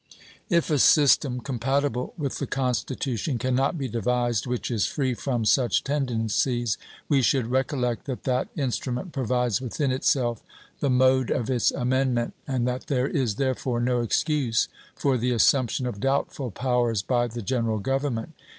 If a system compatible with the Constitution can not be devised which is free from such tendencies, we should recollect that that instrument provides within itself the mode of its amendment, and that there is, therefore, no excuse for the assumption of doubtful powers by the General Government.